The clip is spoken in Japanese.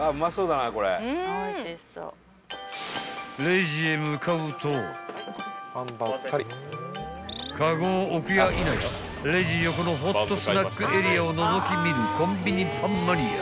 ［レジへ向かうとカゴを置くやいなやレジ横のホットスナックエリアをのぞき見るコンビニパンマニア］